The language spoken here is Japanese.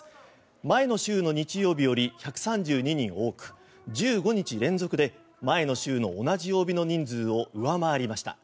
前の週の日曜日より１３２人多く１５日連続で前の週の同じ曜日の人数を上回りました。